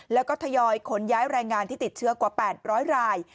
แล้วก็ทยอยขนย้ายแรงงานที่ติดเชื้อกว่า๘๐๐ราย